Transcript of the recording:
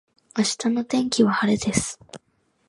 明日の天気は晴れです。